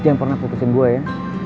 jangan pernah putusin gue ya